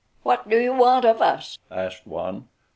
"What do you want of us?" asked one.